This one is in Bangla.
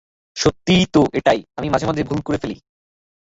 সত্যিটা তো এটাই, আমিও মাঝেমধ্যে ভুল করে ফেলি!